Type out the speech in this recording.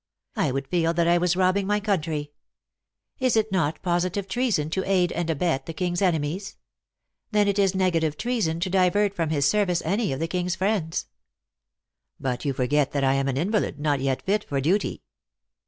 I would feel that I was robbing my country. Is it not positive treason to aid and abet the king s enemies? Then it is negative treason, to divert from his service any of the king s friends." " But you forget that I am an invalid, not yet fit for duty."